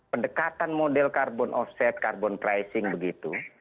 pendekatan model carbon offset carbon pricing begitu